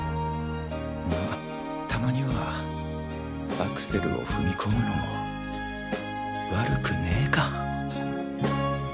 まぁたまにはアクセルを踏み込むのも悪くねぇか